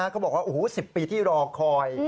ก็บอกว่า๑๐ปีที่รอคอย